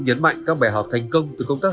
nhấn mạnh các bài học thành công từ công tác